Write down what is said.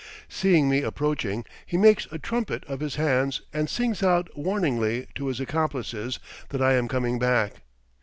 Seeing me approaching, he makes a trumpet of his hands and sings out warningly to his accomplices that I am coming back.